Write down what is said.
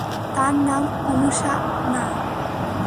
তার নাম অনুশা না?